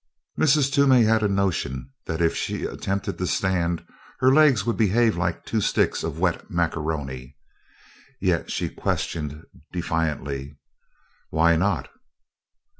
Mrs. Toomey had a notion that if she attempted to stand her legs would behave like two sticks of wet macaroni, yet she questioned defiantly: "Why not?"